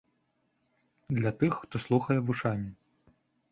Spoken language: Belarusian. Для тых, хто слухае вушамі.